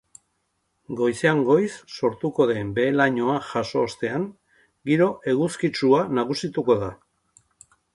Goizean goiz sortuko den behe-lainoa jaso ostean giro eguzkitsua nagusituko da.